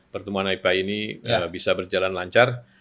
pertemuan ipa ini bisa berjalan lancar